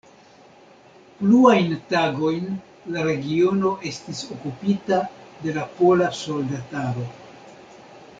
Pluajn tagojn la regiono estis okupita de la pola soldataro.